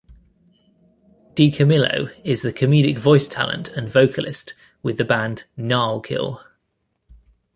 DiCamillo is the comedic voice talent and vocalist with the band Gnarkill.